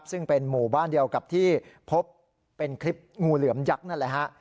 ซึ่งเป็นหมู่บ้านเดียวกับที่พบน่ะเลยครับ